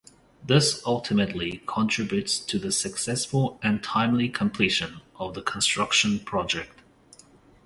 This ultimately contributes to the successful and timely completion of the construction project.